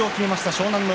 湘南乃